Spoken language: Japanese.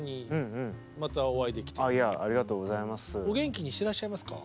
お元気にしてらっしゃいますか？